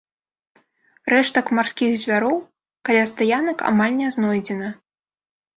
Рэштак марскіх звяроў каля стаянак амаль не знойдзена.